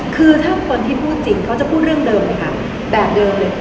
คือถ้าคนที่พูดจริงเขาจะพูดเรื่องเดิมเลยค่ะแบบเดิมเลย